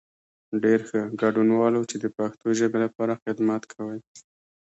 ډېر ښه، ګډنوالو چې د پښتو ژبې لپاره خدمت کوئ.